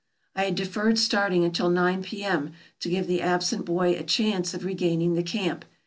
I had deferred starting until nine P.M., to give the absent boy a chance of regaining the camp.